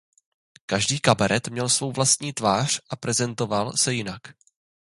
Každý kabaret měl svou vlastní tvář a prezentoval se jinak.